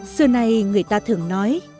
xưa nay người ta thường nói